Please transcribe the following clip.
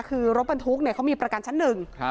คือรถบรรทุกเขามีประกันชั้นหนึ่ง